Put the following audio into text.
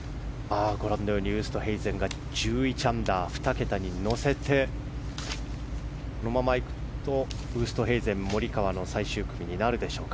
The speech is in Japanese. ウーストヘイゼンが１１アンダー２桁に乗せて、このままいくとウーストヘイゼン、モリカワの最終組になるでしょうか。